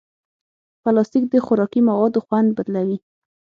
پلاستيک د خوراکي موادو خوند بدلوي.